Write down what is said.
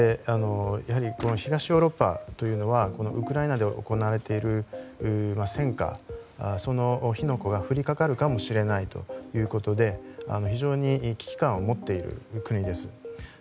やはり東ヨーロッパというのはウクライナで行われている戦火、その火の粉が降りかかるかもしれないということで非常に危機感を持っている国です。